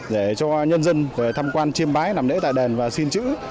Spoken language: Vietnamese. để cho nhân dân tham quan chiêm bái nằm lễ tại đền và xin chữ